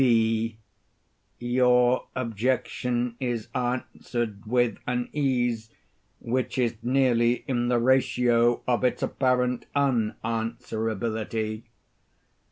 V. Your objection is answered with an ease which is nearly in the ratio of its apparent unanswerability.